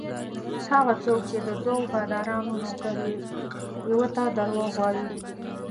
هغه څوک چې د دوو بادارانو نوکر وي یوه ته درواغ وايي.